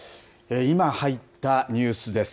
今入ったニュースです。